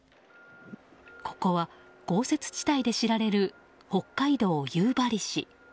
ここは豪雪地帯で知られる北海道夕張市。